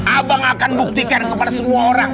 abang akan buktikan kepada semua orang